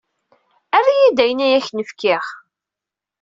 Err-iyi-d ayen i ak-n-fkiɣ.